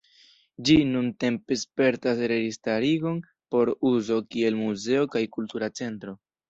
Ĝi nuntempe spertas restarigon por uzo kiel muzeo kaj kultura centro.